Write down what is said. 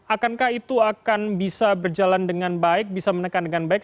akankah itu akan bisa berjalan dengan baik bisa menekan dengan baik